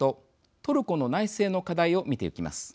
トルコの内政の課題を見ていきます。